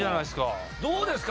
どうですか？